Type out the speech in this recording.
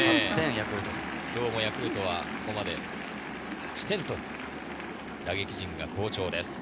今日もヤクルトはここまで８点と打撃陣が好調です。